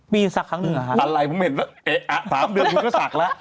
ปีหนึ่งอะไรผมเห็นว่าเอ๊ะ๓เดือนผมก็สักแล้ว